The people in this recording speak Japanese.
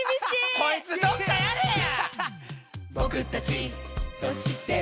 こいつどっかやれや！